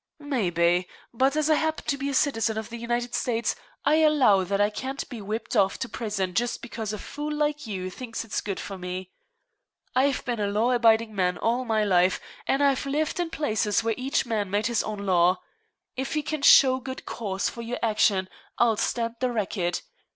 "Maybe. But as I happen to be a citizen of the United States, I allow that I can't be whipped off to prison just because a fool like you thinks it's good for me. I've been a law abiding man all my life, and I've lived in places where each man made his own law. If you can show good cause for your action, I'll stand the racket.